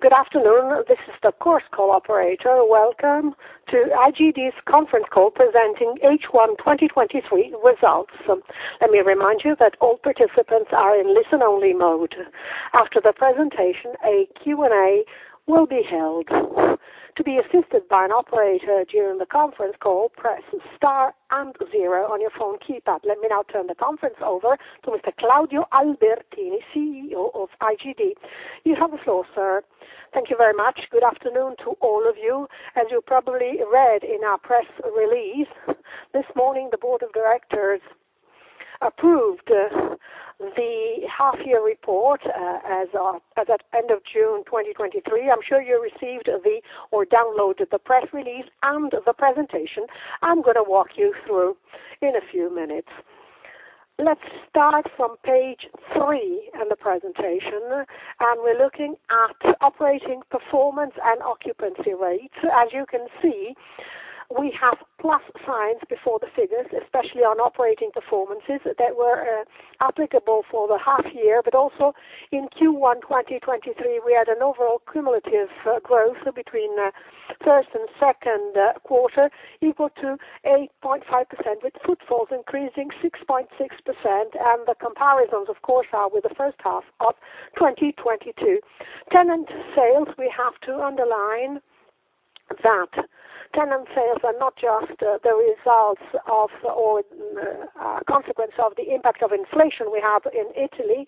Good afternoon, this is the conference call operator. Welcome to IGD's conference call presenting H1 2023 results. Let me remind you that all participants are in listen-only mode. After the presentation, a Q&A will be held. To be assisted by an operator during the conference call, press star and zero on your phone keypad. Let me now turn the conference over to Mr. Claudio Albertini, CEO of IGD. You have the floor, sir. Thank you very much. Good afternoon to all of you, as you probably read in our press release, this morning, the board of directors approved the half year report, as of, as at end of June 2023. I'm sure you received the, or downloaded the press release and the presentation. I'm gonna walk you through in a few minutes. Let's start from page three in the presentation, and we're looking at operating performance and occupancy rates. As you can see, we have plus signs before the figures, especially on operating performances, that were applicable for the half year, but also in Q1 2023, we had an overall cumulative growth between 1st and 2nd quarter, equal to 8.5%, with footfalls increasing 6.6%, and the comparisons, of course, are with the 1st half of 2022. Tenant sales, we have to underline that tenant sales are not just the results of, or consequence of the impact of inflation we have in Italy,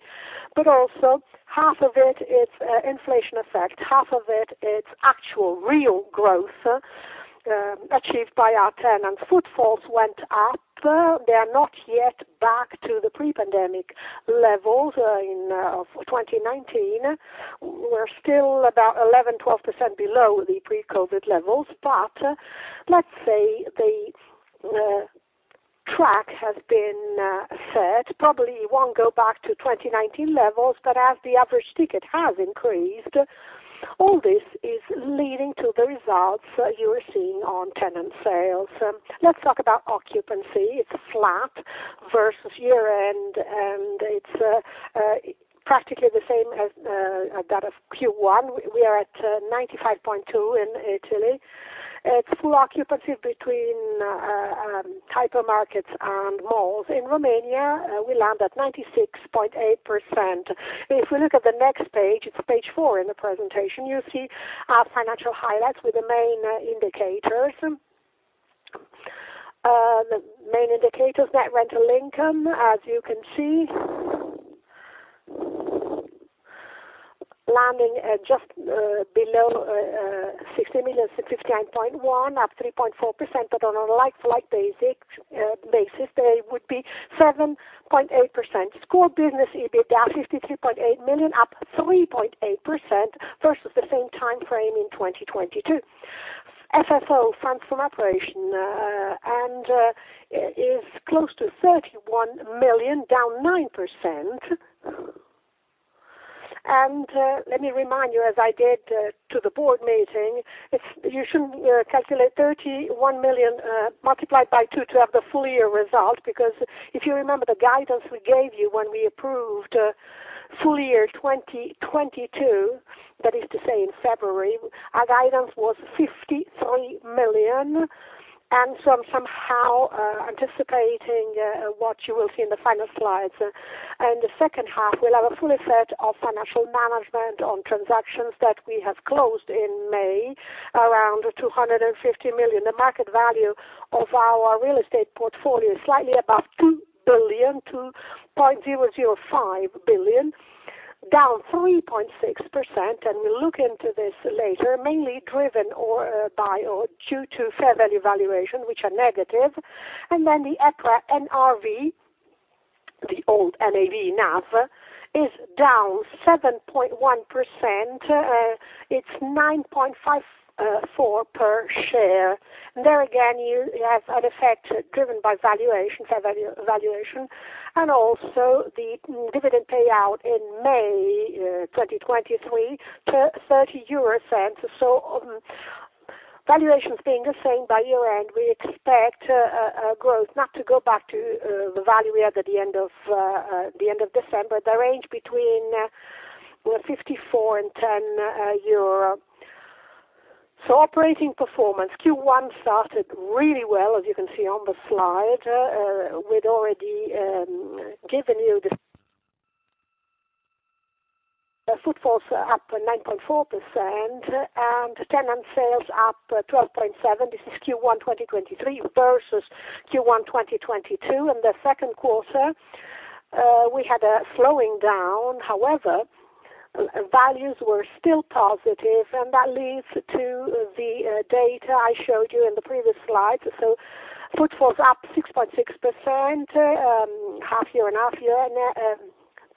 but also half of it is inflation effect, half of it is actual real growth achieved by our tenants. Footfalls went up. They are not yet back to the pre-pandemic levels in 2019. We're still about 11, 12% below the pre-COVID levels, let's say the track has been set. Probably it won't go back to 2019 levels, as the average ticket has increased, all this is leading to the results you are seeing on tenant sales. Let's talk about occupancy. It's flat versus year-end, it's practically the same as that of Q1. We are at 95.2 in Italy. It's full occupancy between hypermarkets and malls. In Romania, we land at 96.8%. If we look at the next page, it's page 4 in the presentation, you see our financial highlights with the main indicators. The main indicators, net rental income, as you can see, landing at just below 60 million, so 59.1 million, up 3.4%, but on a like-for-like basic basis, they would be 7.8%. Core business, EBIT down 53.8 million, up 3.8% versus the same time frame in 2022. FFO, funds from operation, is close to 31 million, down 9%. Let me remind you, as I did to the board meeting, it's, you shouldn't calculate 31 million multiplied by two to have the full year result, because if you remember the guidance we gave you when we approved full year 2022, that is to say, in February, our guidance was 53 million. I'm somehow anticipating what you will see in the final slides. In the second half, we'll have a full effect of financial management on transactions that we have closed in May, around 250 million. The market value of our real estate portfolio is slightly above 2 billion, 2.005 billion, down 3.6%. We'll look into this later, mainly driven or by or due to fair value valuation, which are negative. The EPRA NRV, the old NAV, NAV, is down 7.1%. It's 9.54 per share. There again, you have an effect driven by valuation, fair value valuation, and also the dividend payout in May 2023, to 0.30. Valuations being the same by year-end, we expect a growth, not to go back to the value we had at the end of December, the range between 54 and 10 euro. Operating performance, Q1 started really well, as you can see on the slide. We'd already given you the... Footfalls are up by 9.4%, and tenant sales up 12.7%. This is Q1 2023 versus Q1 2022. In the second quarter, we had a slowing down. However, values were still positive, and that leads to the data I showed you in the previous slide. Footfall's up 6.6%, half year-on-half year, and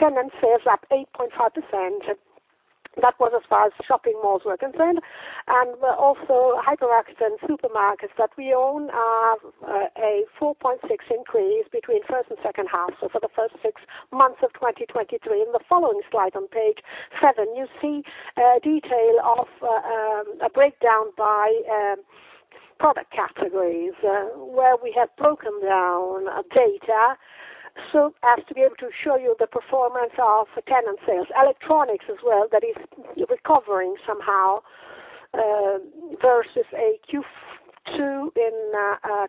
tenant sales up 8.5%. That was as far as shopping malls were concerned. hypermarket and supermarkets that we own, a 4.6 increase between first and second half, so for the first 6 months of 2023. In the following slide on page 7, you see detail of a breakdown by product categories, where we have broken down our data so as to be able to show you the performance of tenant sales. Electronics as well, that is recovering somehow, versus a Q2 in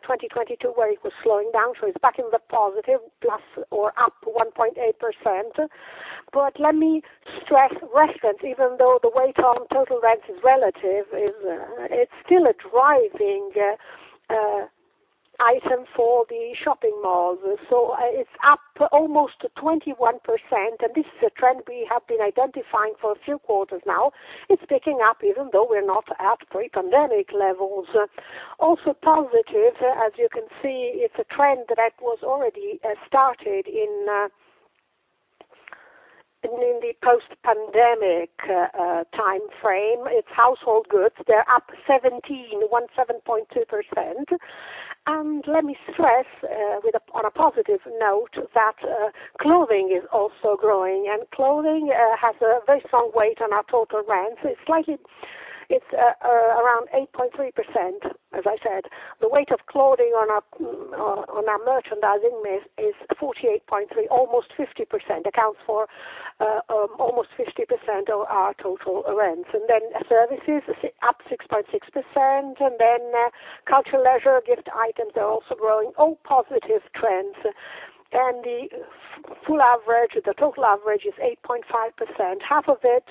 2022, where it was slowing down. It's back in the positive, +1.8%. Let me stress restaurants, even though the weight on total rents is relative, it's still a driving item for the shopping malls. It's up almost 21%, and this is a trend we have been identifying for a few quarters now. It's picking up, even though we're not at pre-pandemic levels. Positive, as you can see, it's a trend that was already started in the post-pandemic time frame. It's household goods. They're up 17.2%. Let me stress, on a positive note, that clothing is also growing, and clothing has a very strong weight on our total rent. It's slightly, it's around 8.3%, as I said. The weight of clothing on our on our merchandising mix is 48.3%, almost 50%, accounts for almost 50% of our total rents. Then services up 6.6%, then culture, leisure, gift items are also growing. All positive trends. The full average, the total average is 8.5%, half of it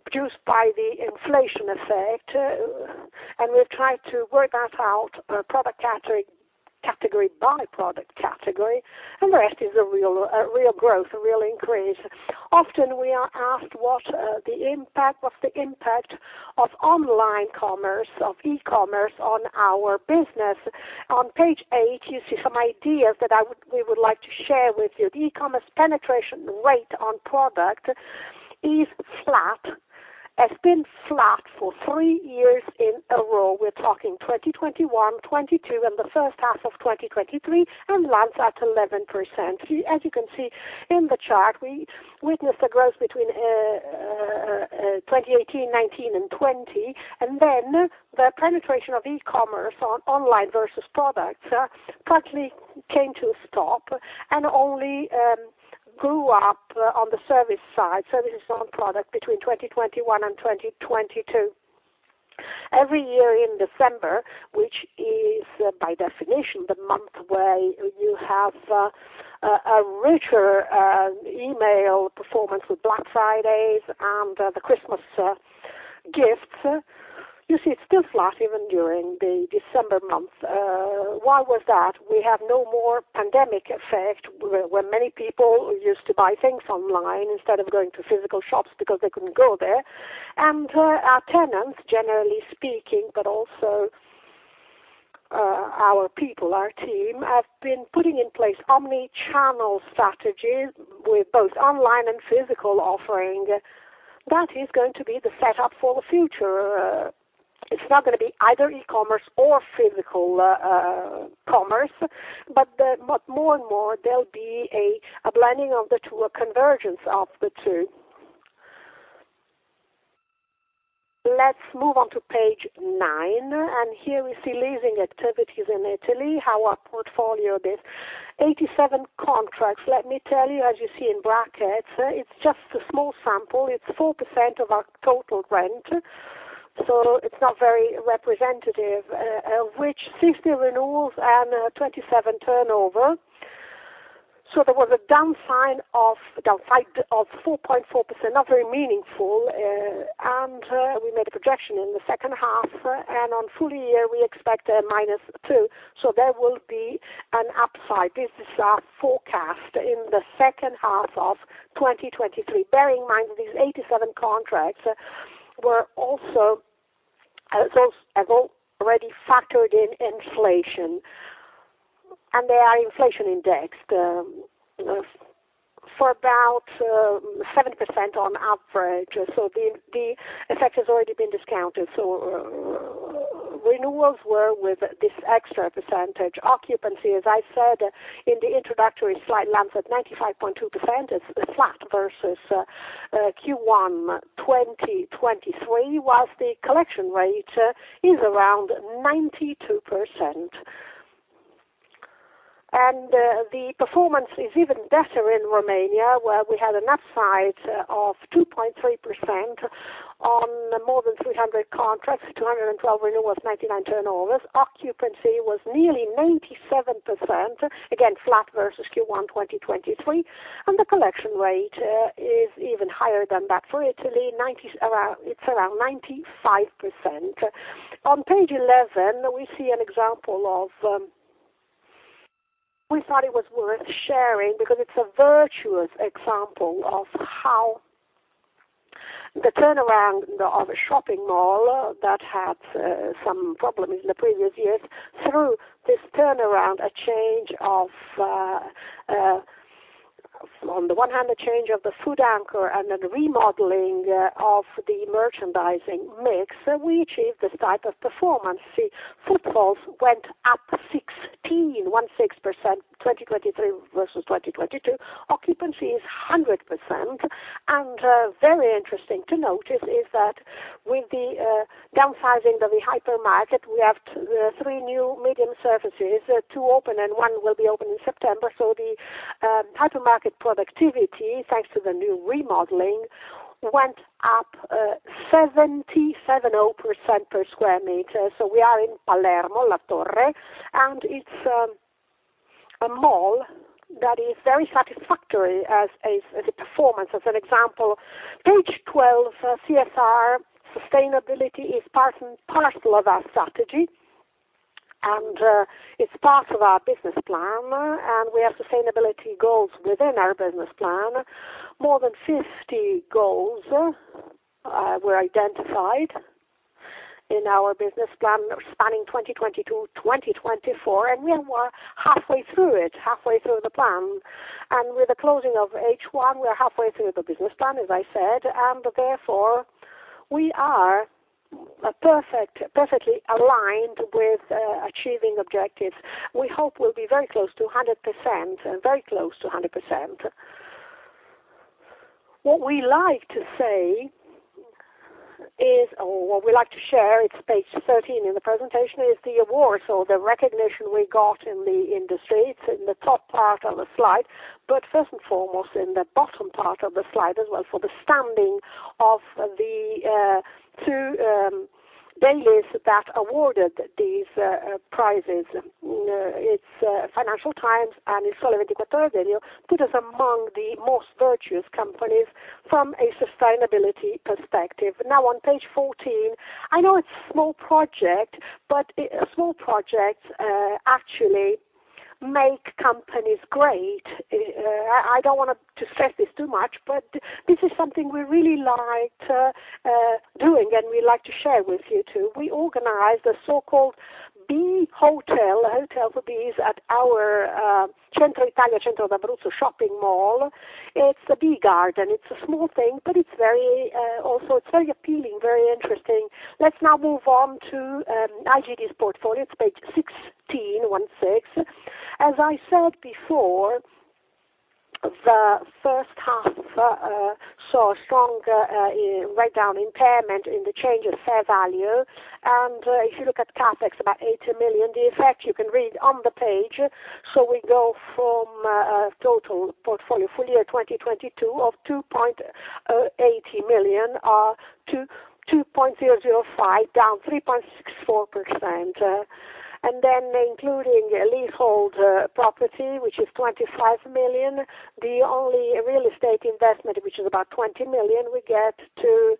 produced by the inflation effect, and we've tried to work that out product category, category by product category, and the rest is a real real growth, a real increase. Often, we are asked what the impact, what's the impact of online commerce, of e-commerce on our business. On page 8, you see some ideas that we would like to share with you. The e-commerce penetration rate on product is flat. It's been flat for three years in a row. We're talking 2021, 2022, and the first half of 2023, lands at 11%. As you can see in the chart, we witnessed a growth between 2018, 2019 and 2020, and then the penetration of e-commerce on online versus products partly came to a stop and only grew up on the service side, services on product between 2021 and 2022. Every year in December, which is by definition, the month where you have a richer email performance with Black Fridays and the Christmas gifts, you see it's still flat even during the December month. Why was that? We have no more pandemic effect, where many people used to buy things online instead of going to physical shops because they couldn't go there. Our tenants, generally speaking, but also our people, our team, have been putting in place omnichannel strategies with both online and physical offering. That is going to be the setup for the future. It's not going to be either e-commerce or physical commerce, but more and more, there'll be a blending of the two, a convergence of the two. Let's move on to page 9. Here we see leasing activities in Italy, how our portfolio did. 87 contracts, let me tell you, as you see in brackets, it's just a small sample. It's 4% of our total rent, so it's not very representative, of which 60 renewals and 27 turnover. There was a down sign of, downside of 4.4%, not very meaningful. We made a projection in the second half, on full year, we expect a -2%, there will be an upside. This is our forecast in the second half of 2023. Bearing in mind that these 87 contracts were also, those have already factored in inflation, and they are inflation indexed, for about 7% on average. The, the effect has already been discounted, so renewals were with this extra percentage. Occupancy, as I said in the introductory slide, lands at 95.2%. It's flat versus Q1 2023, whilst the collection rate is around 92%. The performance is even better in Romania, where we had an upside of 2.3% on more than 300 contracts, 212 renewals, 99 turnovers. Occupancy was nearly 97%, again, flat versus Q1 2023, and the collection rate is even higher than that. For Italy, around, it's around 95%. On page 11, we see an example of... We thought it was worth sharing because it's a virtuous example of how the turnaround of a shopping mall that had some problems in the previous years. Through this turnaround, a change of, on the one hand, a change of the food anchor and remodeling of the merchandising mix, we achieved this type of performance. See, footfalls went up 6% 16.16%, 2023 versus 2022. Occupancy is 100%, very interesting to notice is that with the downsizing of the hypermarket, we have 3 new medium services, 2 open and 1 will be open in September. The hypermarket productivity, thanks to the new remodeling, went up 77.0% per square meter. We are in Palermo, La Torre, and it's a mall that is very satisfactory as a, as a performance. As an example, page 12, CSR, sustainability is part and parcel of our strategy. It's part of our business plan, and we have sustainability goals within our business plan. More than 50 goals were identified in our business plan, spanning 2022-2024. We are more halfway through it, halfway through the plan. With the closing of H1, we are halfway through the business plan, as I said. Therefore, we are perfectly aligned with achieving objectives. We hope we'll be very close to 100%, very close to 100%. What we like to say is, or what we like to share, it's page 13 in the presentation, is the awards or the recognition we got in the industry. It's in the top part of the slide, first and foremost, in the bottom part of the slide as well, for the standing of the 2 dailies that awarded these prizes. It's Financial Times, and Il Sole 24 Ore, put us among the most virtuous companies from a sustainability perspective. Now, on page 14, I know it's small project, but small projects actually make companies great. I, I don't want to stress this too much, but this is something we really like doing, and we like to share with you, too. We organized a so-called bee hotel, a hotel for bees, at our Centro Italia, Centro d'Abruzzo shopping mall. It's a bee garden. It's a small thing, but it's very, also it's very appealing, very interesting. Let's now move on to IGD's portfolio. It's page 16, 1, 6. As I said before, the first half saw a strong write-down impairment in the change of fair value. If you look at CapEx, about 80 million, the effect you can read on the page. So we go from a total portfolio full year 2022, of 2.80 million, to 2.005 million, down 3.64%. Then including a leasehold property, which is 25 million, the only real estate investment, which is about 20 million, we get to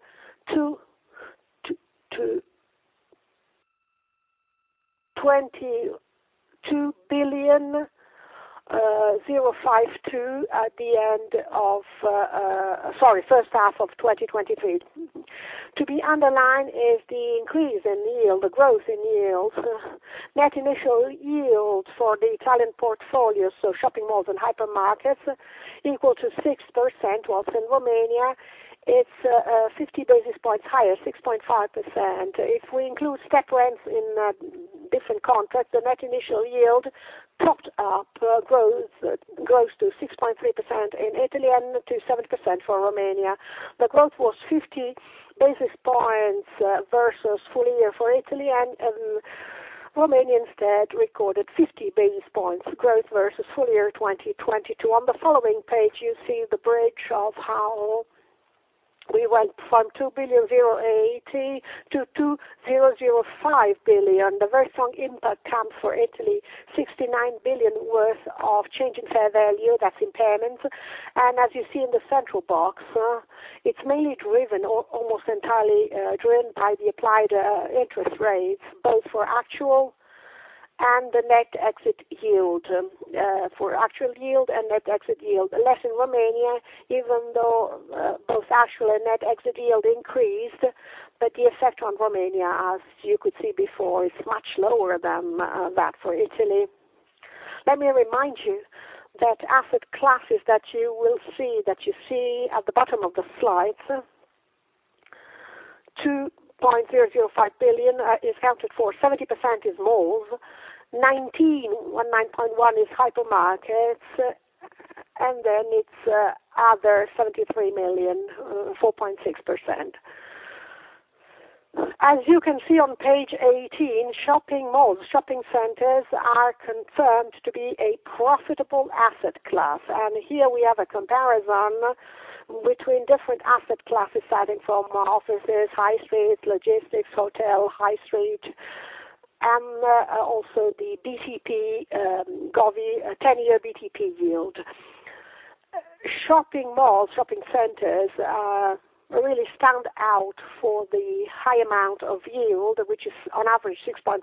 22,000,000,052 at the end of, sorry, first half of 2023. To be underlined is the increase in yield, the growth in yields. Net initial yield for the Italian portfolio, so shopping malls and hypermarkets, equal to 6%, whilst in Romania, it's 50 basis points higher, 6.5%. If we include step rents in different contracts, the net initial yield popped up, grows to 6.3% in Italy and to 7% for Romania. The growth was 50 basis points versus full year for Italy, Romania instead recorded 50 basis points growth versus full year 2022. On the following page, you see the bridge of how we went from 2.080 billion to 2.005 billion. The very strong impact comes for Italy, 69 billion worth of change in fair value, that's impairment. As you see in the central box, it's mainly driven or almost entirely driven by the applied interest rates, both for actual and the net exit yield, for actual yield and net exit yield. Less in Romania, even though both actual and net exit yield increased, but the effect on Romania, as you could see before, is much lower than that for Italy. Let me remind you that asset classes that you will see, that you see at the bottom of the slide, 2.005 billion, is accounted for. 70% is malls, 19.1 is hypermarkets, then it's other 73 million, 4.6%. As you can see on page 18, shopping malls, shopping centers, are confirmed to be a profitable asset class. Here we have a comparison between different asset classes, starting from offices, high street, logistics, hotel, high street, and also the BTP Govies 10-year BTP yield. Shopping malls, shopping centers, really stand out for the high amount of yield, which is on average 6.5%,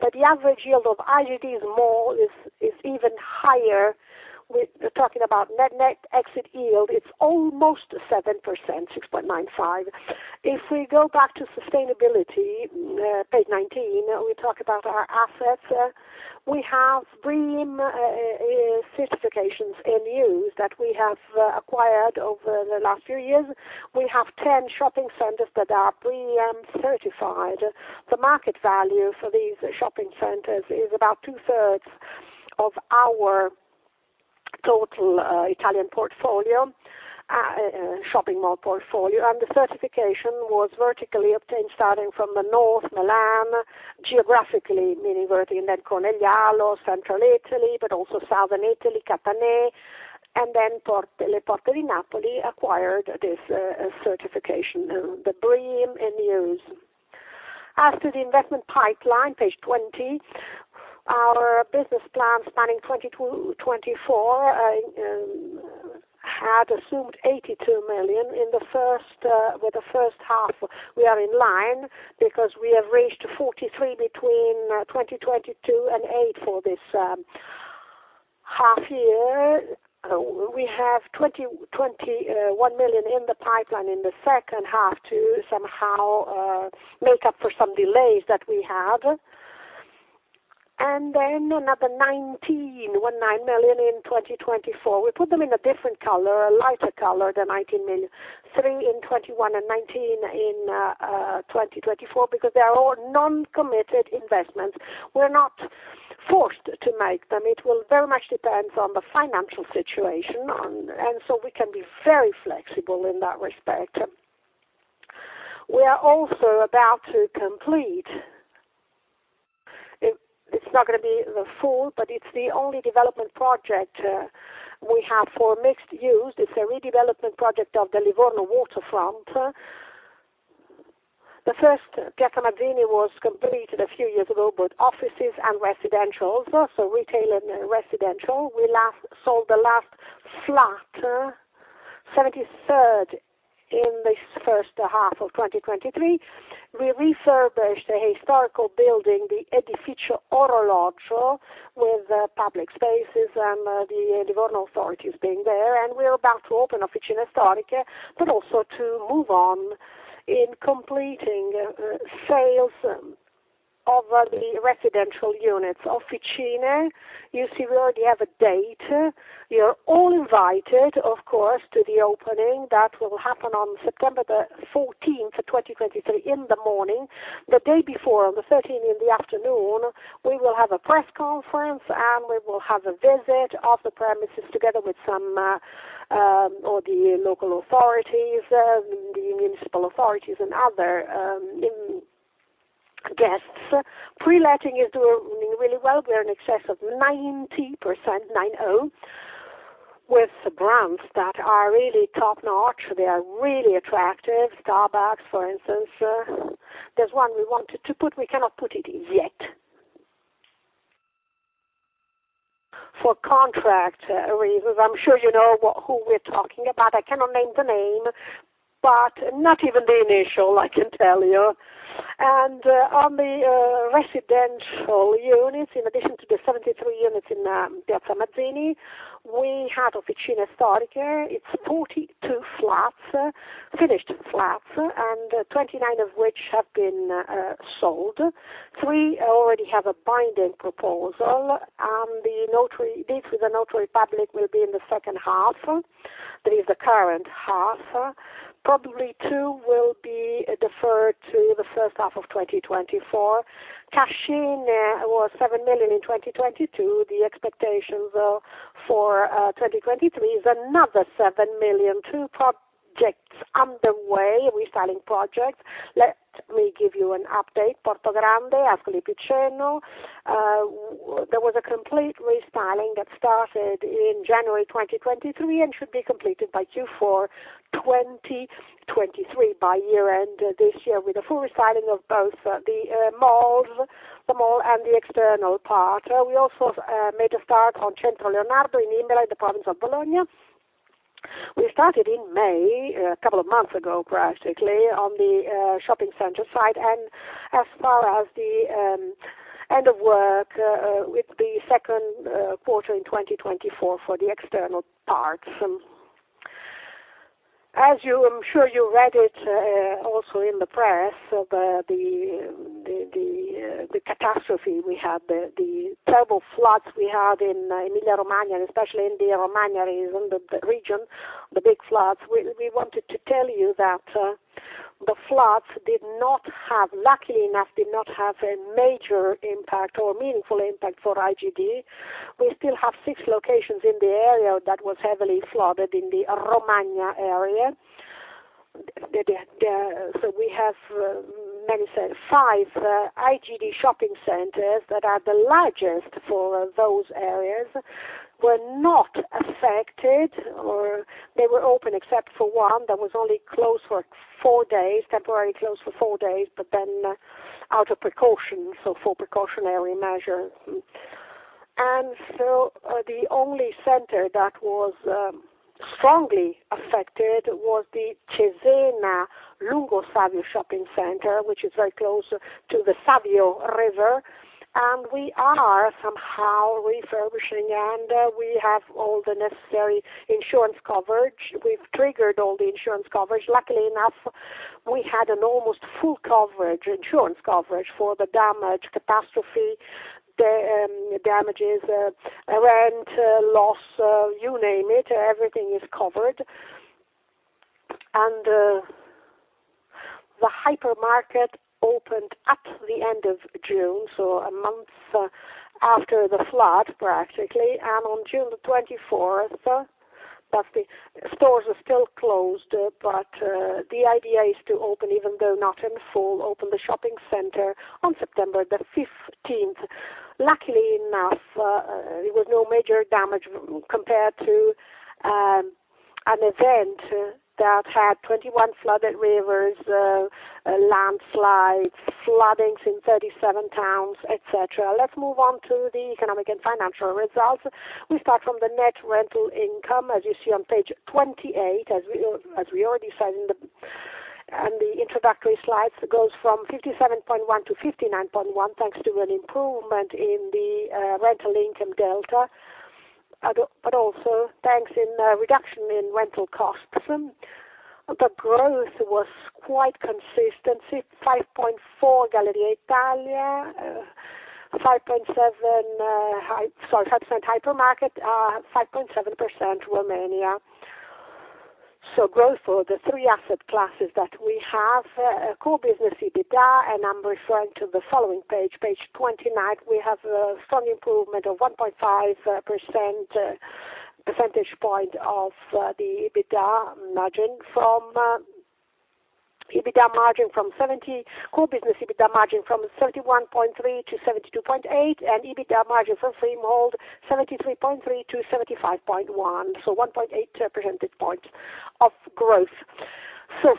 but the average yield of IGD's mall is even higher. We're talking about net, net exit yield, it's almost 7%, 6.95%. If we go back to sustainability, page 19, we talk about our assets. We have BREEAM certifications in use that we have acquired over the last few years. We have 10 shopping centers that are BREEAM-certified. The market value for these shopping centers is about two-thirds of our total Italian portfolio shopping mall portfolio. The certification was vertically obtained starting from the north, Milan, geographically, meaning vertically in Cornigliano, central Italy, but also southern Italy, Catania, then le Porte di Napoli acquired this certification, the BREEAM in use. As to the investment pipeline, page 20, our business plan spanning 2022, 2024 had assumed 82 million in the first, with the first half, we are in line because we have raised to 43 between 2022 and 8 for this half year. We have 21 million in the pipeline in the second half to somehow make up for some delays that we had. Another 19 million in 2024. We put them in a different color, a lighter color, the 19 million. 3 million in 2021 and 19 million in 2024 because they are all non-committed investments. We're not forced to make them. It will very much depend on the financial situation, we can be very flexible in that respect. We are also about to complete, it's not gonna be the full, but it's the only development project we have for mixed use. It's a redevelopment project of the Livorno waterfront. The first Piazza Mazzini was completed a few years ago, both offices and residentials, so retail and residential. We sold the last flat, 73rd, in this first half of 2023. We refurbished a historical building, the Edificio Orologio, with public spaces and the Livorno authorities being there, and we're about to open Officine Storiche, but also to move on in completing sales of the residential units. Officine, you see we already have a date. You're all invited, of course, to the opening. That will happen on September 14th, 2023, in the morning. The day before, on the 13th in the afternoon, we will have a press conference, and we will have a visit of the premises together with some, all the local authorities, the municipal authorities and other guests. Pre-letting is doing really well. We are in excess of 90%, nine-oh, with brands that are really top-notch. They are really attractive. Starbucks, for instance. There's one we wanted to put, we cannot put it in yet. For contract reasons, I'm sure you know what, who we're talking about. I cannot name the name, but not even the initial, I can tell you. On the residential units, in addition to the 73 units in Piazza Mazzini, we had Officine Storiche. It's 42 flats, finished flats, and 29 of which have been sold. 3 already have a binding proposal, and the notary, deeds with the notary public will be in the second half, that is the current half. Probably 2 will be deferred to the first half of 2024. Cashing was 7 million in 2022. The expectations for 2023 is another 7 million. 2 projects underway, restyling projects. Let me give you an update. Portogruaro, Ascoli Piceno. There was a complete restyling that started in January 2023 and should be completed by Q4 2023, by year end this year, with a full restyling of both the malls, the mall, and the external part. We also made a start on Centro Leonardo in Imola, in the province of Bologna. We started in May, a couple of months ago, practically, on the shopping center site, as far as the end of work, with the second quarter in 2024 for the external parts. As you, I'm sure you read it, also in the press, the catastrophe we had, the terrible floods we had in Emilia-Romagna, especially in the Romagna region, the big floods. We, we wanted to tell you that the floods did not have, luckily enough, did not have a major impact or meaningful impact for IGD. We still have six locations in the area that was heavily flooded in the Romagna area. We have maybe five IGD shopping centers that are the largest for those areas, were not affected, or they were open except for one that was only closed for four days, temporarily closed for four days, out of precaution, for precautionary measure. The only center that was strongly affected was the Cesena Lungo Savio Shopping Center, which is very close to the Savio River, we are somehow refurbishing, we have all the necessary insurance coverage. We've triggered all the insurance coverage. Luckily enough, we had an almost full coverage, insurance coverage, for the damage, catastrophe, damages, rent loss, you name it, everything is covered. The hypermarket opened at the end of June, so a month after the flood, practically. On June 24th, that the stores are still closed, but the idea is to open, even though not in full, open the shopping center on September 15th. Luckily enough, there was no major damage compared to an event that had 21 flooded rivers, landslides, floodings in 37 towns, et cetera. Let's move on to the economic and financial results. We start from the net rental income, as you see on page 28, as we already said on the introductory slides, goes from 57.1 to 59.1, thanks to an improvement in the rental income delta. Also thanks in a reduction in rental costs. The growth was quite consistent, see 5.4 Galleria Italia, 5.7, 5% hypermarket, 5.7% Romania. Growth for the three asset classes that we have. Core business, EBITDA, and I'm referring to the following page, page 29. We have a strong improvement of 1.5%, percentage point of the EBITDA margin from EBITDA margin from core business EBITDA margin from 71.3 to 72.8, and EBITDA margin for same hold, 73.3 to 75.1, so 1.8 percentage points of growth.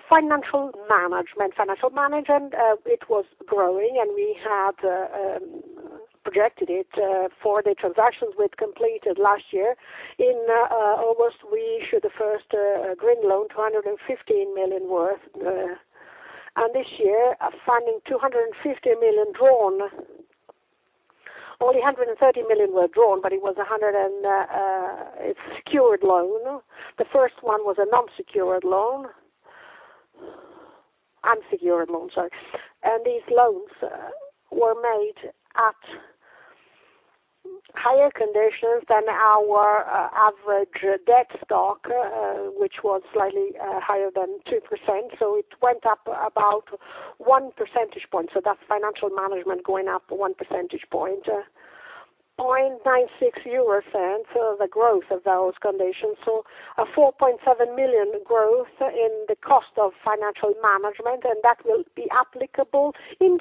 Financial management. Financial management, it was growing, and we had projected it for the transactions we'd completed last year. In August, we issued the first green loan, 215 million worth. This year, funding 250 million drawn. Only 130 million were drawn, it was a secured loan. The first one was a non-secured loan. Unsecured loan, sorry. These loans were made at higher conditions than our average debt stock, which was slightly higher than 2%, so it went up about 1 percentage point. That's financial management going up 1 percentage point. 0.96, the growth of those conditions. A 4.7 million growth in the cost of financial management, and that will be applicable in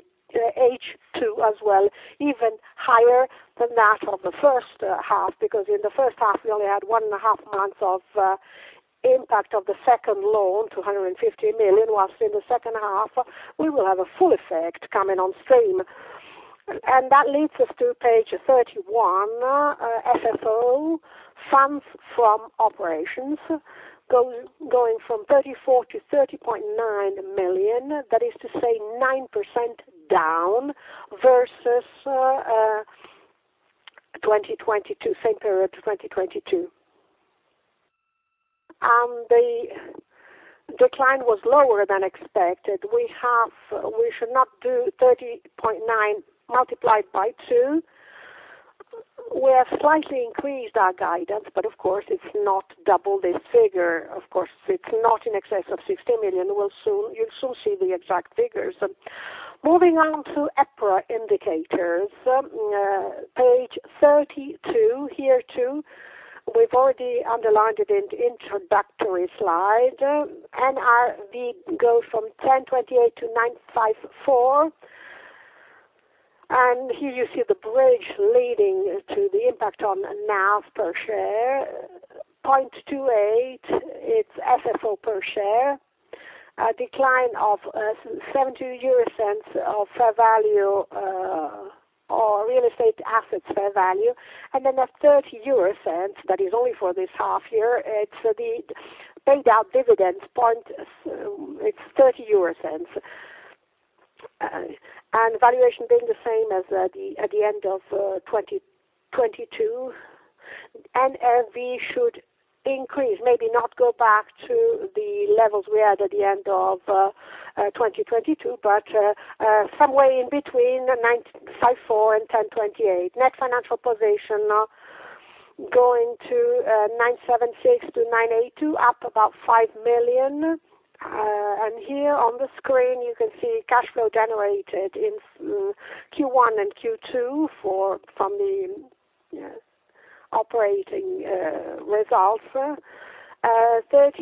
H2 as well, even higher than that of the first half. Because in the first half, we only had 1.5 months of impact of the second loan, 250 million, whilst in the second half we will have a full effect coming on stream. That leads us to page 31, FFO, funds from operations, going from 34 to 30.9 million. That is to say, 9% down versus 2022, same period to 2022. The decline was lower than expected. We should not do 30.9 multiplied by 2. We have slightly increased our guidance, but of course, it's not double this figure. Of course, it's not in excess of 60 million. You'll soon see the exact figures. Moving on to EPRA indicators, page 32. Here, too, we've already underlined it in the introductory slide. NAV go from 10.28 to 9.54. Here you see the bridge leading to the impact on NAV per share. 0.28, it's FFO per share, a decline of 0.70 of fair value, or real estate assets fair value. At 0.30, that is only for this half year, it's the paid out dividends, it's 0.30. Valuation being the same as at the end of 2022. NAV should increase, maybe not go back to the levels we had at the end of 2022, somewhere in between 954 and 1,028. Net financial position going to 976 to 982, up about 5 million. Here on the screen, you can see cash flow generated in Q1 and Q2 for, from the operating results. 0.30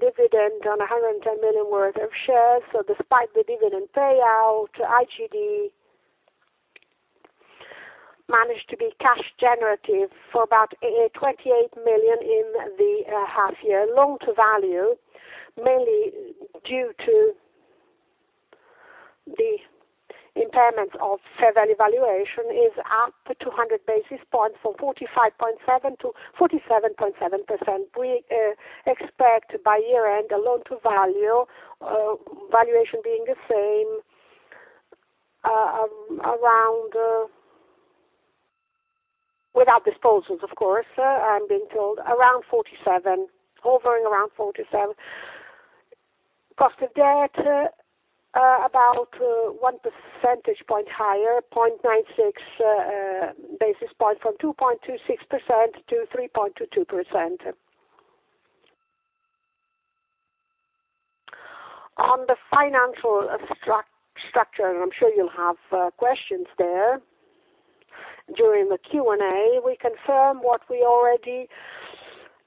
dividend on 110 million worth of shares. Despite the dividend payout, IGD managed to be cash generative for about 28 million in the half year. Loan to value, mainly due to the impairments of fair value valuation, is up 200 basis points from 45.7%-47.7%. We expect by year-end, a loan to value valuation being the same, around, without disposals, of course, I'm being told around 47%, hovering around 47%. Cost of debt, about 1 percentage point higher, 0.96 basis point from 2.26%-3.22%. On the financial structure, I'm sure you'll have questions there during the Q&A. We confirm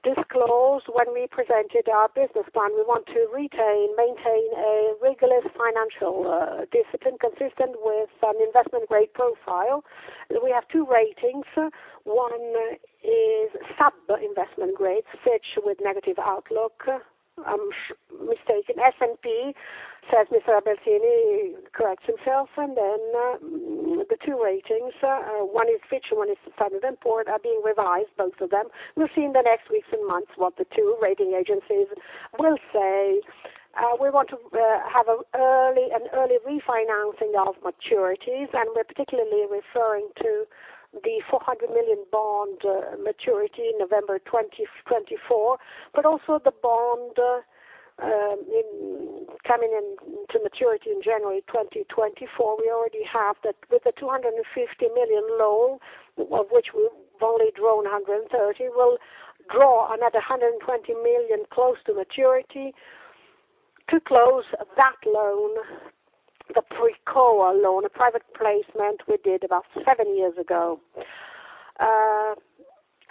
what we already disclosed when we presented our business plan. We want to retain, maintain a rigorous financial discipline consistent with an investment grade profile. We have two ratings. One is sub-investment grade, Fitch with negative outlook. I'm mistaken, S&P, says Mr. Albertini, corrects himself. The two ratings, one is Fitch and one is Standard & Poor's, are being revised, both of them. We'll see in the next weeks and months what the two rating agencies will say. We want to have an early refinancing of maturities, and we're particularly referring to the 400 million bond maturity in November 2024, but also the bond coming into maturity in January 2024. We already have that with the 250 million loan, of which we've only drawn 130 million, we'll draw another 120 million close to maturity to close that loan, the Pricoa loan, a private placement we did about 7 years ago.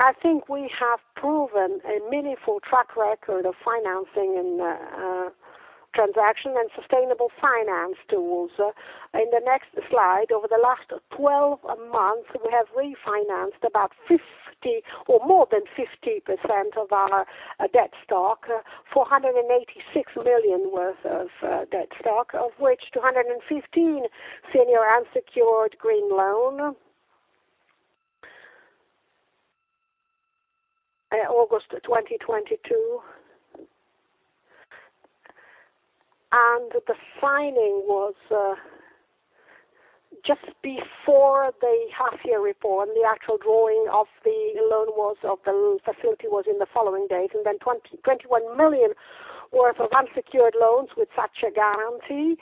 I think we have proven a meaningful track record of financing and transaction and sustainable finance tools. In the next slide, over the last 12 months, we have refinanced about 50% or more than 50% of our debt stock, 486 million worth of debt stock, of which 215 senior unsecured green loan. August 2022. The signing was just before the half year report, and the actual drawing of the loan was, of the facility, was in the following days. Then 21 million worth of unsecured loans with SACE guarantee.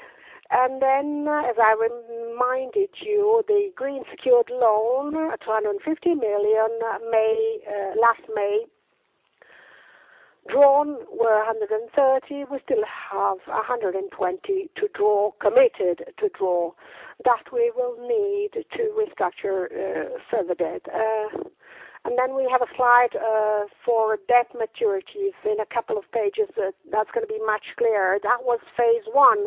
Then, as I reminded you, the green secured loan, 250 million, May, last May. Drawn were 130 million. We still have 120 million to draw, committed to draw, that we will need to restructure further debt. Then we have a slide for debt maturities in 2 pages. That's going to be much clearer. That was phase one.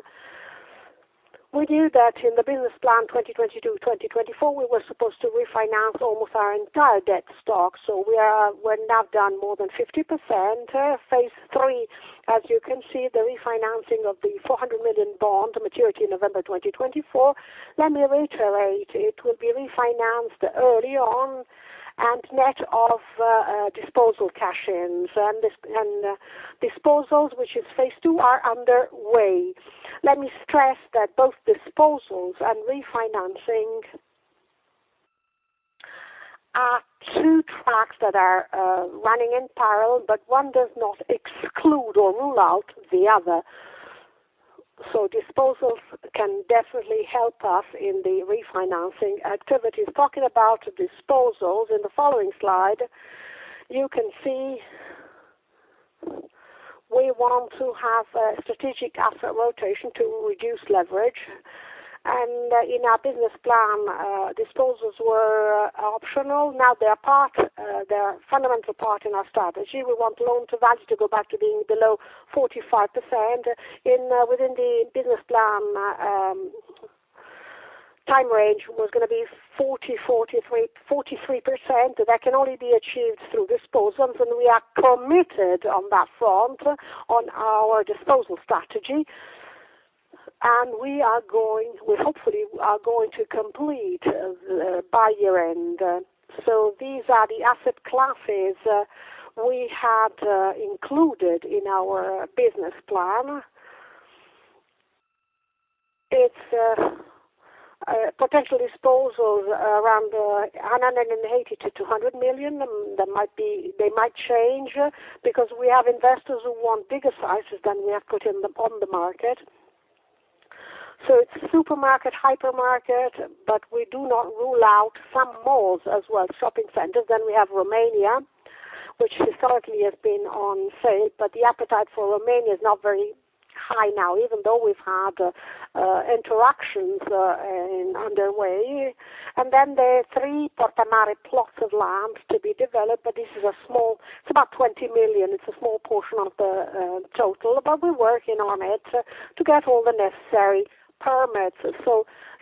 We knew that in the business plan, 2022-2024, we were supposed to refinance almost our entire debt stock, so we are -- we're now done more than 50%. Phase three, as you can see, the refinancing of the 400 million bond, maturity November 2024. Let me reiterate, it will be refinanced early on and net of disposal cash-ins. Disposals, which is phase two, are underway. Let me stress that both disposals and refinancing are two tracks that are running in parallel, but one does not exclude or rule out the other. Disposals can definitely help us in the refinancing activities. Talking about disposals, in the following slide, you can see we want to have a strategic asset rotation to reduce leverage. In our business plan, disposals were optional. Now they're part, they're a fundamental part in our strategy. We want loan to value to go back to being below 45%. In, within the business plan, time range was going to be 40%, 43%, 43%. That can only be achieved through disposals, we are committed on that front, on our disposal strategy, and we are going, we hopefully are going to complete by year-end. These are the asset classes we had included in our business plan. It's a potential disposals around 180 million-200 million. That might be they might change because we have investors who want bigger sizes than we have put in the, on the market. It's supermarket, hypermarket, but we do not rule out some malls as well, shopping centers. We have Romania, which historically has been on sale, but the appetite for Romania is not very high now, even though we've had interactions in underway. There are three Porta a Mare plots of land to be developed, but this is a small, it's about 20 million. It's a small portion of the total, but we're working on it to get all the necessary permits.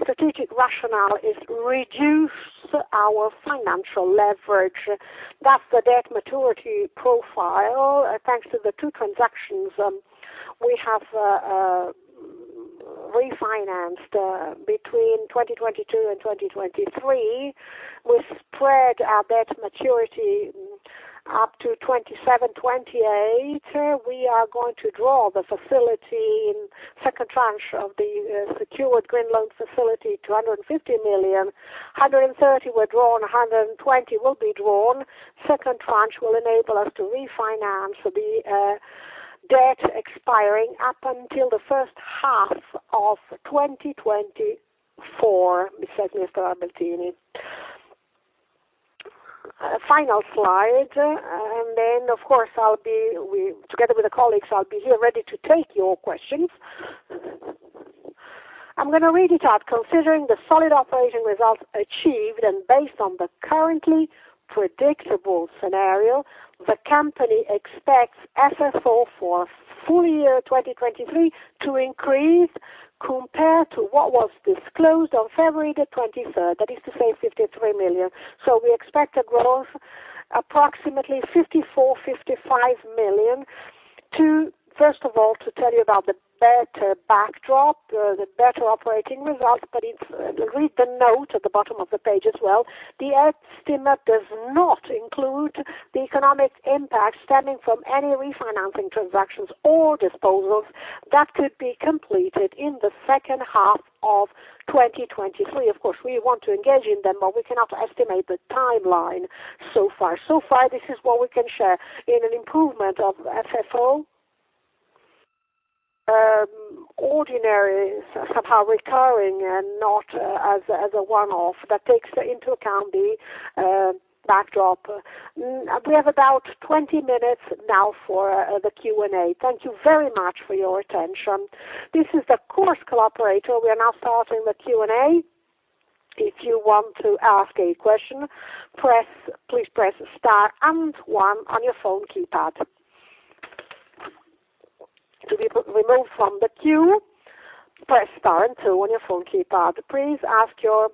Strategic rationale is reduce our financial leverage. That's the debt maturity profile. Thanks to the two transactions, we have refinanced between 2022 and 2023. We spread our debt maturity up to 2027, 2028. We are going to draw the facility in second tranche of the secured green loan facility to 150 million. 130 were drawn, 120 will be drawn. Second tranche will enable us to refinance the debt expiring up until the first half of 2024, said Mr. Albertini. A final slide, then of course, I'll be, together with the colleagues, I'll be here ready to take your questions. I'm going to read it out. Considering the solid operating results achieved and based on the currently predictable scenario, the company expects FFO for full year 2023 to increase compared to what was disclosed on February 23rd, that is to say 53 million. We expect a growth approximately 54 million-55 million. First of all, to tell you about the better backdrop, the better operating results, read the note at the bottom of the page as well. The estimate does not include the economic impact stemming from any refinancing transactions or disposals that could be completed in the second half of 2023. Of course, we want to engage in them, but we cannot estimate the timeline so far. So far, this is what we can share in an improvement of FFO, ordinary, somehow recurring and not as, as a one-off that takes into account the backdrop. We have about 20 minutes now for the Q&A. Thank you very much for your attention. This is the conference call operator. We are now starting the Q&A. If you want to ask a question, press, please press star and one on your phone keypad. To be re-removed from the queue, press star and two on your phone keypad. Please ask your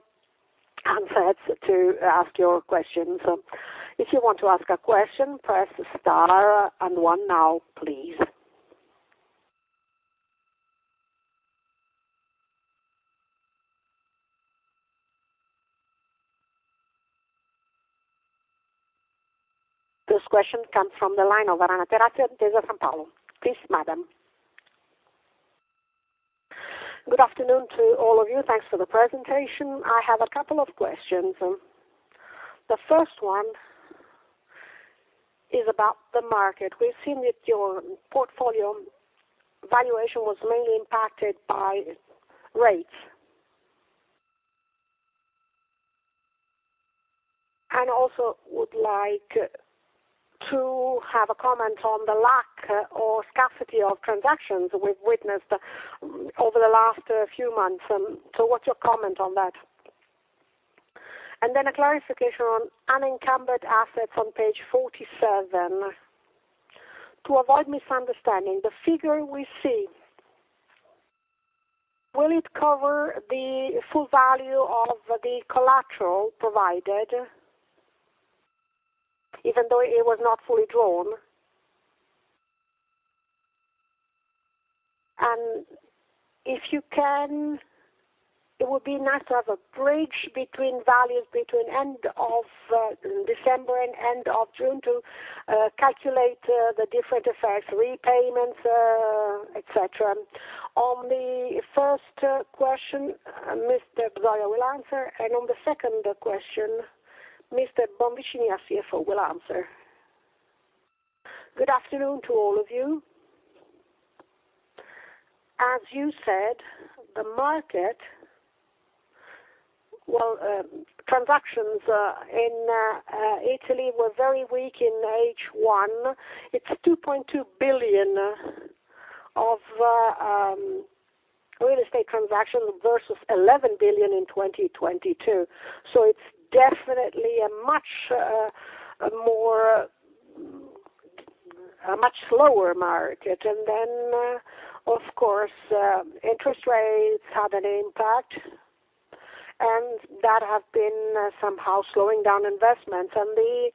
handsets to ask your questions. If you want to ask a question, press star and one now, please. This question comes from the line of Ana Tereza, BTG Pactual, São Paulo. Please, madam. Good afternoon to all of you. Thanks for the presentation. I have a couple of questions. The first one is about the market. We've seen that your portfolio valuation was mainly impacted by rates. Also would like to have a comment on the lack or scarcity of transactions we've witnessed over the last few months. What's your comment on that? A clarification on unencumbered assets on page 47. To avoid misunderstanding, the figure we see, will it cover the full value of the collateral provided, even though it was not fully drawn? If you can, it would be nice to have a bridge between values, between end of December and end of June to calculate the different effects, repayments, et cetera. On the first question, Mr. Zoia will answer, and on the second question, Ms. Bonvicini, our CFO, will answer. Good afternoon to all of you. As you said, the market, well, transactions in Italy were very weak in H1. It's 2.2 billion of real estate transactions versus 11 billion in 2022. It's definitely a much more, a much slower market. Then, of course, interest rates have an impact, and that have been somehow slowing down investments. The,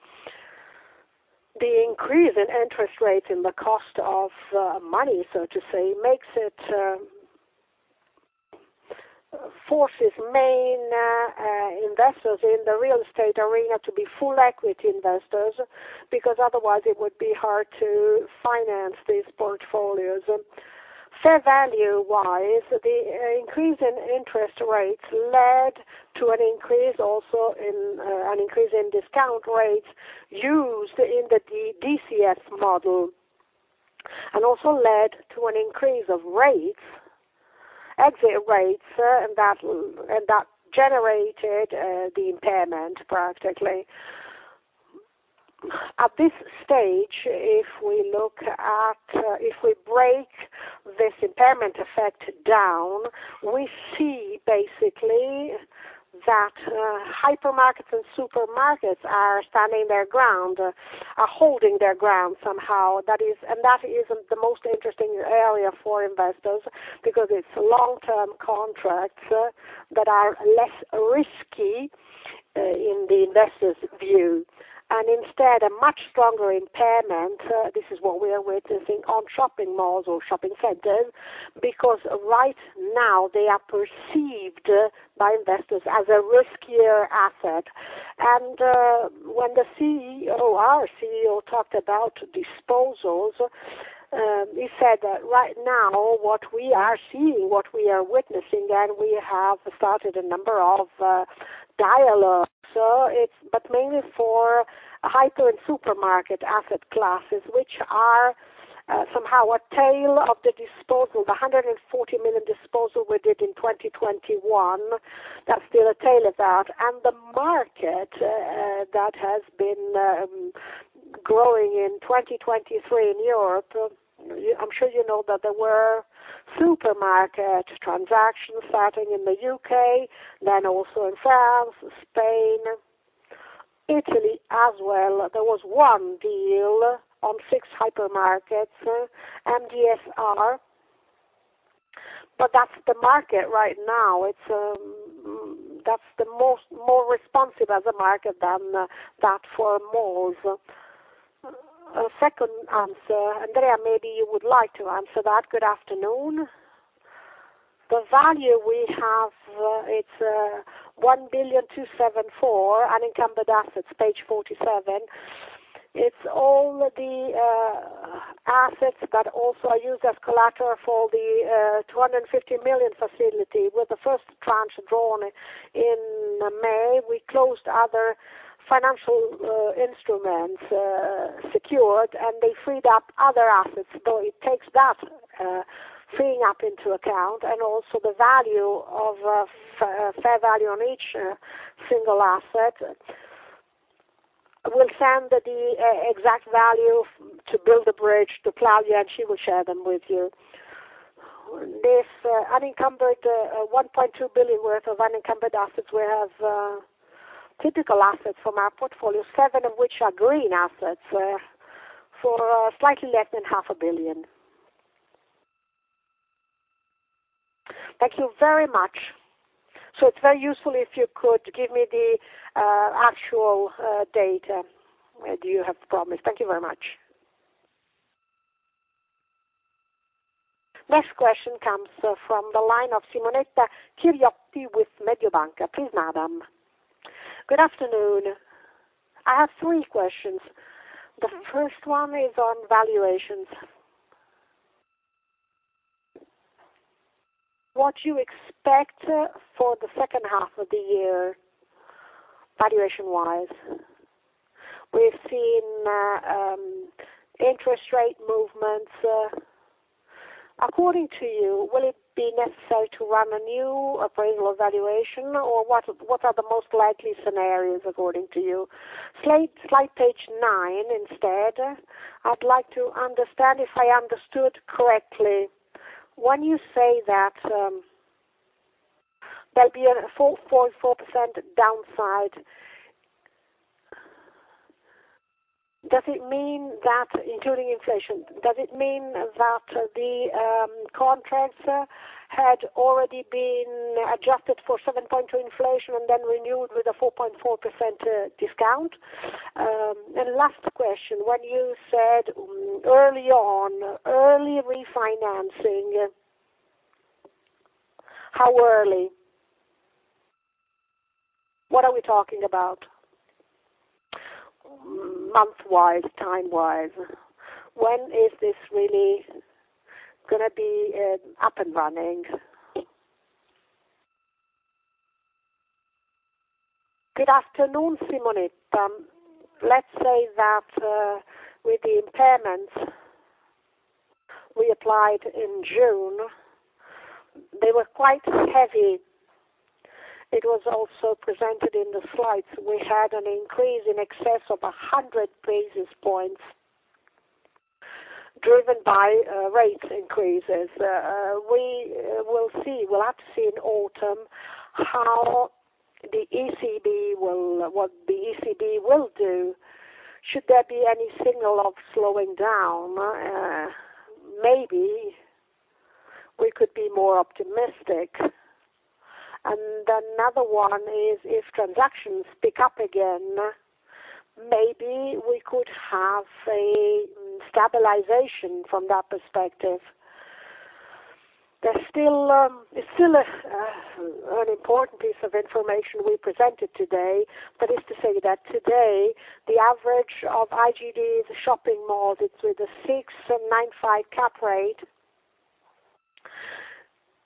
the increase in interest rates in the cost of money, so to say, makes it forces main investors in the real estate arena to be full equity investors, because otherwise it would be hard to finance these portfolios. Fair value-wise, the increase in interest rates led to an increase also in an increase in discount rates used in the DCF model, and also led to an increase of rates, exit rates, and that, and that generated the impairment, practically. At this stage, if we look at, if we break this impairment effect down, we see basically that hypermarkets and supermarkets are standing their ground, are holding their ground somehow. That is, and that isn't the most interesting area for investors because it's long-term contracts that are less risky, in the investor's view, and instead, a much stronger impairment, this is what we are witnessing on shopping malls or shopping centers, because right now, they are perceived by investors as a riskier asset. When the CEO, our CEO, talked about disposals, he said that right now, what we are seeing, what we are witnessing, and we have started a number of dialogues. It's but mainly for hyper and supermarket asset classes, which are somehow a tail of the disposal, the 140 million disposal we did in 2021, that's still a tail of that. The market that has been. Growing in 2023 in Europe, I'm sure you know that there were supermarket transactions starting in the U.K., then also in France, Spain, Italy as well. There was one deal on six hypermarkets, MDSR. That's the market right now, it's that's the most, more responsive as a market than that for malls. Second answer, Andrea, maybe you would like to answer that. Good afternoon. The value we have, it's 1.274 billion, unencumbered assets, page 47. It's all the assets that also are used as collateral for the 250 million facility, with the 1st tranche drawn in May. We closed other financial instruments, secured, they freed up other assets. it takes that freeing up into account, and also the value of fair value on each single asset. We'll send the exact value to build the bridge to Claudia, and she will share them with you. This unencumbered 1.2 billion worth of unencumbered assets, we have typical assets from our portfolio, seven of which are green assets for slightly less than 0.5 billion. Thank you very much. It's very useful if you could give me the actual data you have promised. Thank you very much. Next question comes from the line of Simonetta Chiriotti with Mediobanca. Please, madam. Good afternoon. I have three questions. The first one is on valuations. What you expect for the second half of the year, valuation-wise? We've seen interest rate movements. According to you, will it be necessary to run a new appraisal evaluation, or what, what are the most likely scenarios according to you? Slide, slide page 9, instead, I'd like to understand if I understood correctly. When you say that there'll be a 4.4% downside, does it mean that, including inflation, does it mean that the contracts had already been adjusted for 7.2% inflation, and then renewed with a 4.4% discount? Last question, when you said early on, early refinancing, how early? What are we talking about, month-wise, time-wise? When is this really gonna be up and running? Good afternoon, Simonetta. Let's say that with the impairments we applied in June, they were quite heavy. It was also presented in the slides. We had an increase in excess of 100 basis points, driven by rate increases. We will see. We'll have to see in autumn how the ECB what the ECB will do. Should there be any signal of slowing down, maybe we could be more optimistic. Another one is, if transactions pick up again, maybe we could have a stabilization from that perspective. There's still, it's still an important piece of information we presented today. That is to say that today, the average of IGD's shopping malls, it's with a 6.95% cap rate,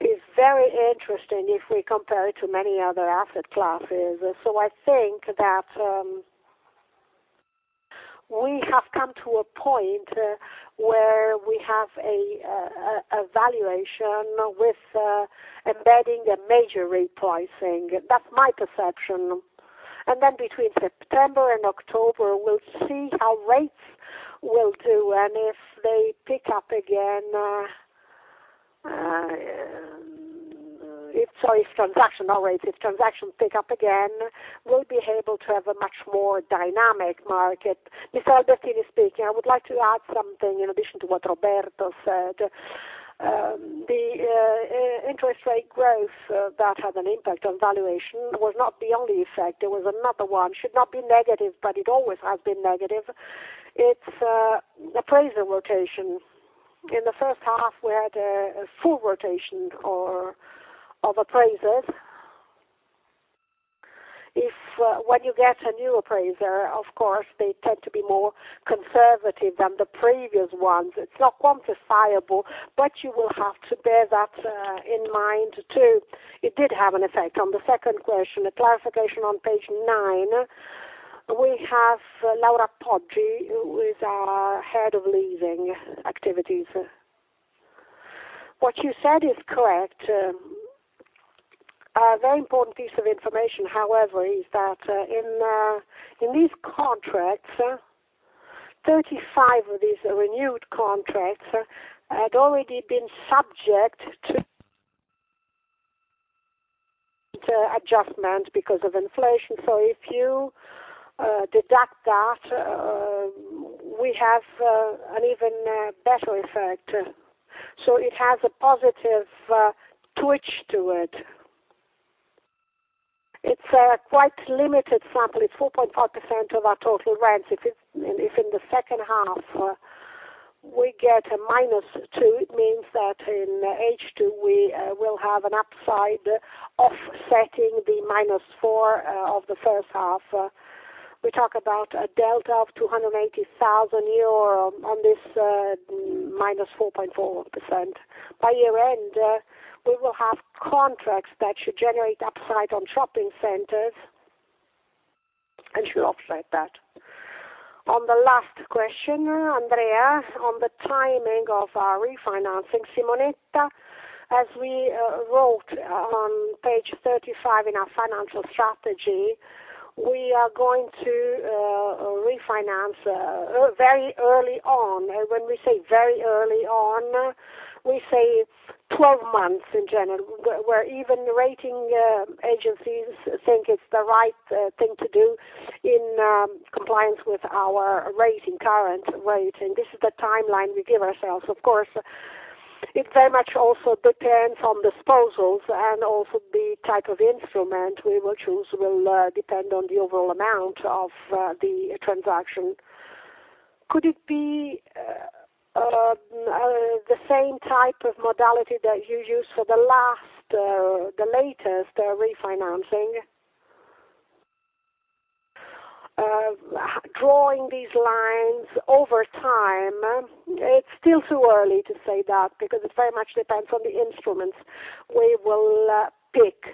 is very interesting if we compare it to many other asset classes. I think that we have come to a point where we have a valuation with embedding a major repricing. That's my perception. Then between September and October, we'll see how rates will do, and if they pick up again. If, sorry, if transaction, not rates, if transactions pick up again, we'll be able to have a much more dynamic market. This is Albertini speaking. I would like to add something in addition to what Roberto said. The interest rate growth that had an impact on valuation was not the only effect. There was another one. Should not be negative, but it always has been negative. It's appraiser rotation. In the first half, we had a full rotation of appraisers. If when you get a new appraiser, of course, they tend to be more conservative than the previous ones. It's not quantifiable, but you will have to bear that in mind, too. It did have an effect. On the second question, a clarification on page 9, we have Laura Poggi, who is our head of leasing activities. What you said is correct. A very important piece of information, however, is that in these contracts, 35 of these renewed contracts had already been subject to adjustment because of inflation. If you deduct that, we have an even better effect. It has a positive twitch to it. It's a quite limited sample. It's 4.4% of our total rents. If in the second half, we get a -2, it means that in H2, we will have an upside offsetting the -4 of the first half. We talk about a delta of 280,000 euro on this -4.4%. By year-end, we will have contracts that should generate upside on shopping centers and should offset that. On the last question, Andrea, on the timing of our refinancing. Simonetta, as we wrote on page 35 in our financial strategy, we are going to refinance very early on. When we say very early on, we say 12 months in general, where even rating agencies think it's the right thing to do in compliance with our rating, current rating. This is the timeline we give ourselves. Of course, it very much also depends on disposals, and also the type of instrument we will choose will depend on the overall amount of the transaction. Could it be the same type of modality that you used for the last, the latest refinancing? Drawing these lines over time, it's still too early to say that because it very much depends on the instruments we will pick,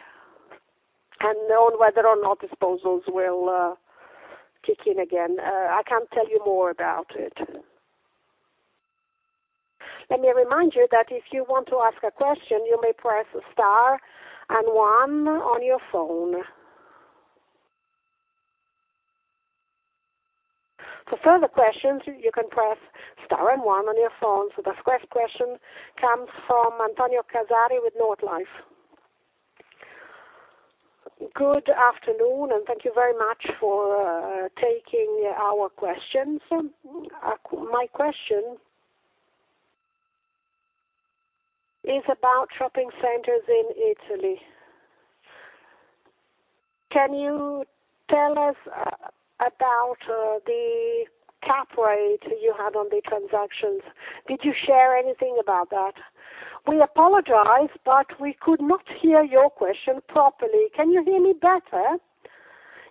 and on whether or not disposals will kick in again. I can't tell you more about it. Let me remind you that if you want to ask a question, you may press star and one on your phone. For further questions, you can press star and one on your phone. The first question comes from Antonio Casari with Northlight. Good afternoon, thank you very much for taking our questions. My question is about shopping centers in Italy. Can you tell us about the cap rate you had on the transactions? Did you share anything about that? We apologize, we could not hear your question properly. Can you hear me better?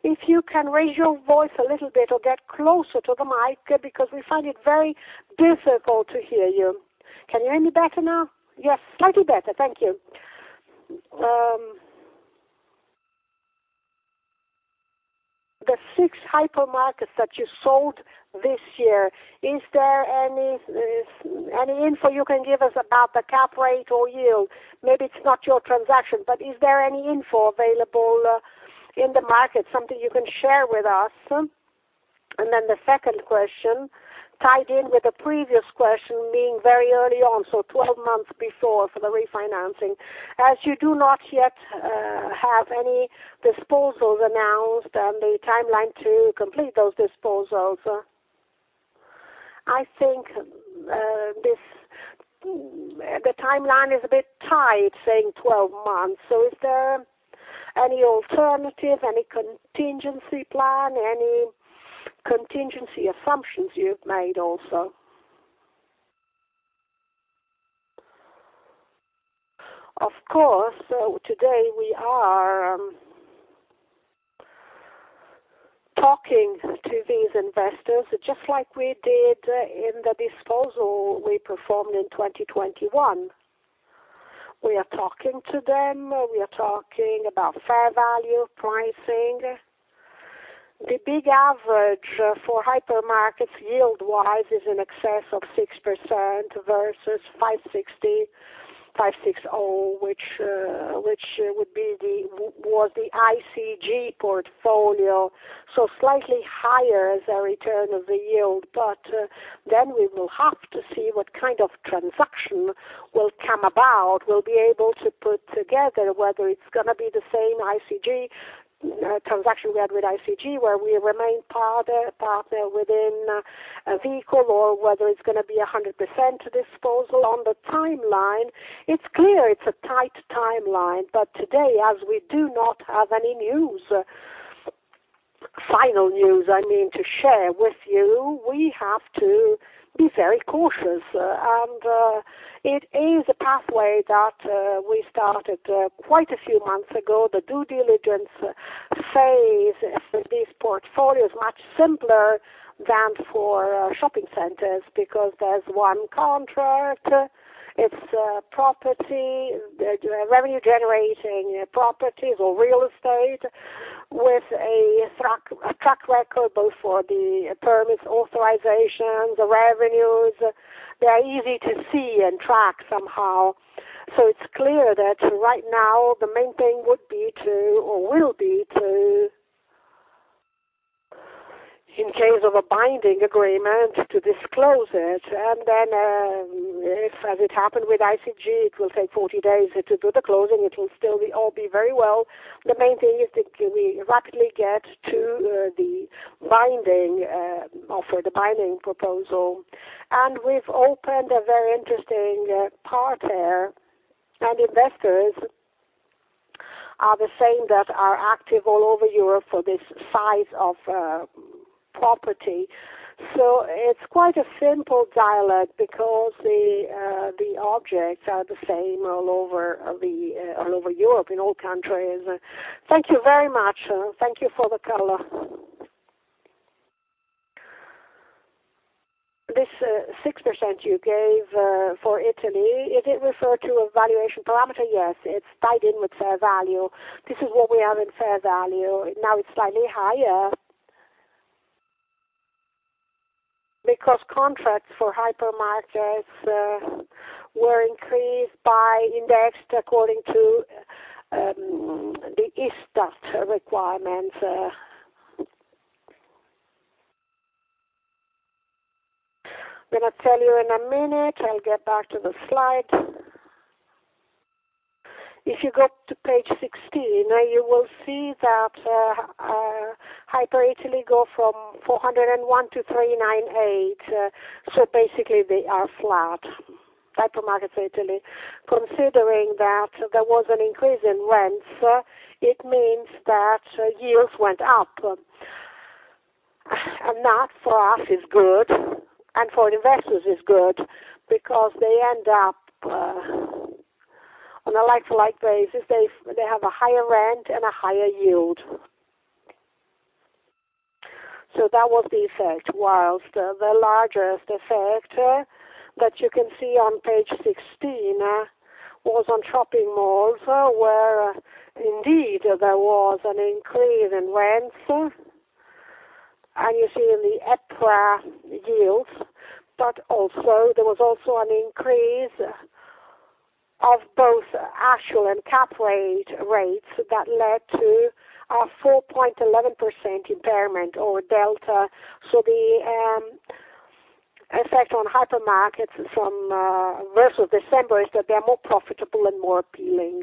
If you can raise your voice a little bit or get closer to the mic, because we find it very difficult to hear you. Can you hear me better now? Yes, slightly better. Thank you. The 6 hypermarkets that you sold this year, is there any info you can give us about the cap rate or yield? Maybe it's not your transaction, but is there any info available in the market, something you can share with us? The second question, tied in with the previous question, being very early on, so 12 months before for the refinancing. As you do not yet have any disposals announced and the timeline to complete those disposals, I think, this the timeline is a bit tight, saying 12 months. Is there any alternative, any contingency plan, any contingency assumptions you've made also? Of course, today we are talking to these investors, just like we did in the disposal we performed in 2021. We are talking to them, we are talking about fair value pricing. The big average for hypermarkets, yield-wise, is in excess of 6% versus 5.60, 5.60, which, which would be the, was the ICG portfolio, so slightly higher as a return of the yield. Then we will have to see what kind of transaction will come about. We'll be able to put together whether it's going to be the same ICG transaction we had with ICG, where we remain partner, partner within a vehicle, or whether it's going to be a 100% disposal. On the timeline, it's clear it's a tight timeline, but today, as we do not have any news, final news, I mean, to share with you, we have to be very cautious. It is a pathway that we started quite a few months ago. The due diligence phase, this portfolio is much simpler than for shopping centers because there's one contract, it's a property, the revenue-generating properties or real estate with a track, a track record both for the permits, authorizations, the revenues. They are easy to see and track somehow. It's clear that right now, the main thing would be to, or will be to, in case of a binding agreement, to disclose it. If, as it happened with ICG, it will take 40 days to do the closing, it will still be all be very well. The main thing is that we rapidly get to the binding offer, the binding proposal. We've opened a very interesting part there, and investors are the same that are active all over Europe for this size of property. It's quite a simple dialogue because the objects are the same all over Europe, in all countries. Thank you very much. Thank you for the color. This 6% you gave for Italy, it did refer to a valuation parameter? Yes, it's tied in with fair value. This is what we have in fair value. Now it's slightly higher. Because contracts for hypermarkets were increased by indexed according to the ISTAT requirements. I'm gonna tell you in a minute, I'll get back to the slide. If you go to page 16, you will see that our hyper Italy go from 401 to 398. Basically, they are flat, hypermarkets Italy. Considering that there was an increase in rents, it means that yields went up. That for us is good, and for investors is good because they end up on a like-to-like basis, they have a higher rent and a higher yield. That was the effect, whilst the larger effect that you can see on page 16 was on shopping malls, where indeed there was an increase in rents, and you see in the EPRA yields. Also, there was also an increase of both actual and cap rate, rates that led to a 4.11% impairment or delta. The effect on hypermarkets from versus December is that they are more profitable and more appealing.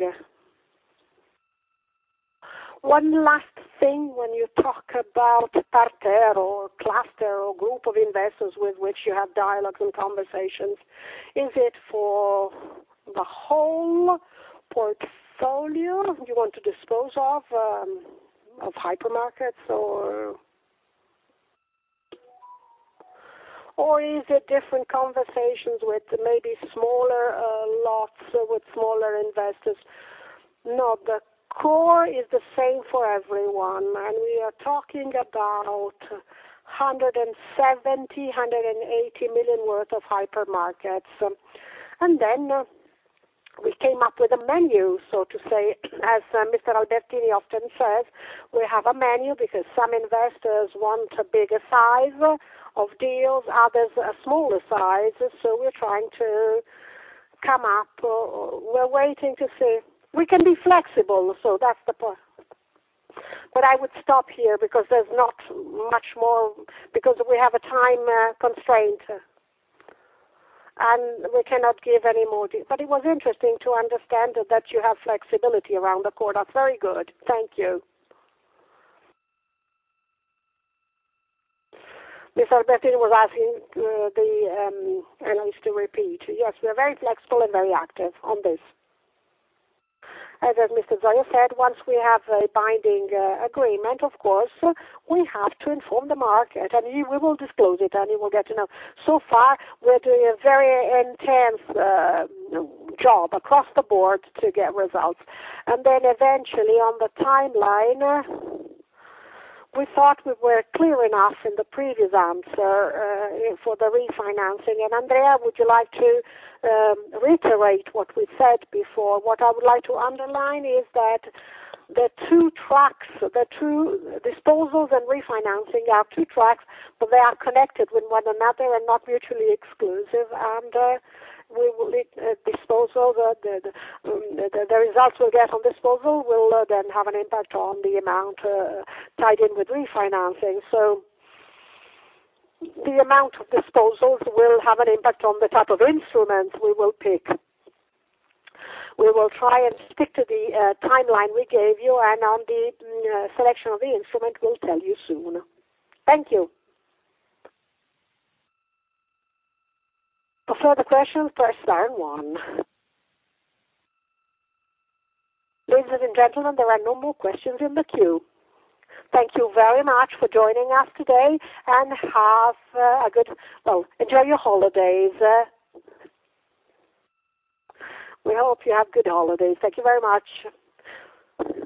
One last thing, when you talk about partner or cluster or group of investors with which you have dialogues and conversations, is it for the whole portfolio you want to dispose of hypermarkets? Is it different conversations with maybe smaller lots, with smaller investors? The core is the same for everyone, we are talking about 170 million-180 million worth of hypermarkets. Then we came up with a menu, so to say. As Mr. Albertini often says, we have a menu because some investors want a bigger size of deals, others a smaller size. We're trying to come up, or we're waiting to see. We can be flexible, so that's the point. I would stop here because there's not much more, because we have a time constraint, and we cannot give any more. It was interesting to understand that you have flexibility around the core. That's very good. Thank you. Mr. Albertini was asking the analysts to repeat. Yes, we are very flexible and very active on this. As Mr. Zoia said, once we have a binding agreement, of course, we have to inform the market, and we will disclose it, and you will get to know. So far, we're doing a very intense job across the board to get results. Then eventually, on the timeline, we thought we were clear enough in the previous answer for the refinancing. Andrea, would you like to reiterate what we said before? What I would like to underline is that the 2 tracks, the 2 disposals and refinancing are 2 tracks, but they are connected with one another and not mutually exclusive. We will need a disposal, the results we'll get on disposal will then have an impact on the amount tied in with refinancing. The amount of disposals will have an impact on the type of instruments we will pick. We will try and stick to the timeline we gave you, and on the selection of the instrument, we'll tell you soon. Thank you. Before the questions proceed on one. Ladies and gentlemen, there are no more questions in the queue. Thank you very much for joining us today, and Well, enjoy your holidays. We hope you have good holidays. Thank you very much.